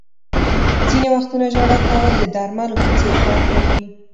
• ځینې وختونه ژړا کول د درملو په څېر کار کوي.